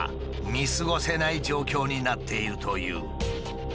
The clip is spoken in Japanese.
見過ごせない状況になっているという。